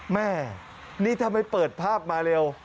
แม่นี่ถ้าไม่เปิดภาพมาเร็ว